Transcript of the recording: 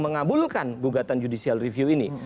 mengabulkan gugatan judicial review ini